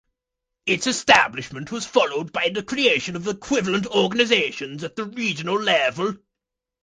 Its establishment was followed by the creation of equivalent organisations at the regional level.